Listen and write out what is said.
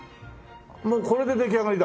もうこれで出来上がりだ。